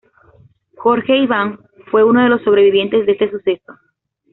Jorge Iván fue uno de los sobrevivientes de este suceso.